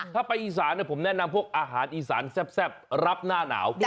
ถ้าไปอีสานผมแนะนำพวกอาหารอีสานแซ่บรับหน้าหนาว